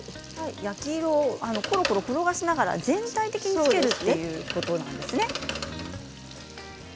焼き色、コロコロ転がしながら全体につけるということですね。